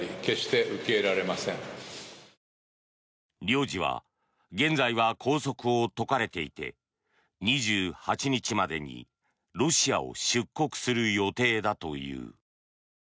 領事は現在は拘束を解かれていて２８日までにロシアを出国する予定だという。